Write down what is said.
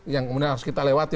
yang kemudian harus kita lewati